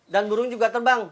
dan burung juga terbang